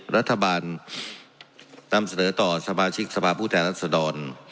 รัฐบาลนำเสนอต่อสมาชิกสภาพผู้แทนรัศดร